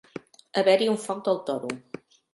Haver-hi un foc del toro.